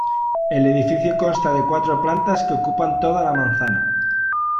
El edificio consta de cuatro plantas que ocupan toda la manzana.